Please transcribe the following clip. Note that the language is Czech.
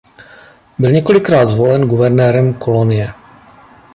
Byl několikrát zvolen guvernérem kolonie.